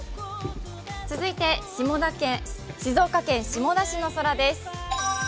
続いて静岡県下田市の空です。